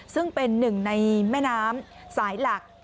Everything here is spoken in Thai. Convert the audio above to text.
ซึ่งเป็นหนึ่งในแม่น้ำสายหลัก